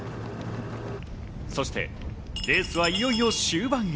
そしてレースはいよいよ終盤へ。